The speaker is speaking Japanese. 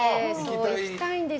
行きたいんです。